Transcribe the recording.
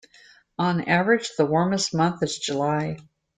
On average, the warmest month is July.